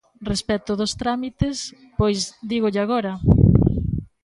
Respecto dos trámites, pois, dígolle agora.